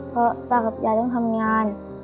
เพราะป้ากับยายต้องทำงาน